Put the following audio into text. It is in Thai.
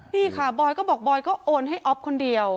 นี่ค่ะบอยก็บอกบอยก็โอนให้อ๊อฟคนเดียว